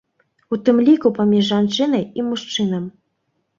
У тым ліку паміж жанчынай і мужчынам.